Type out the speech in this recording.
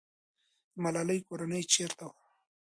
د ملالۍ کورنۍ چېرته وه؟